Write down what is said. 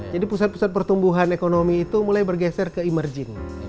jadi pusat pusat pertumbuhan ekonomi itu mulai bergeser ke emerging